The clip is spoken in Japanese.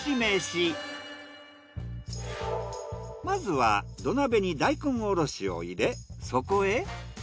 まずは土鍋に大根おろしを入れそこへ。